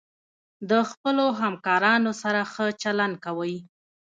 د خپلو همکارانو سره ښه چلند کوئ.